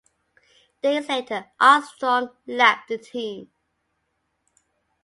Days later, Armstrong left the team.